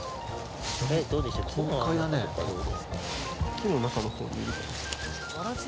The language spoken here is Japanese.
木の中の方にいる。